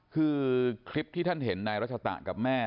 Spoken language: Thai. คือคลิปที่ท่านเห็นนายรัชตะกับแม่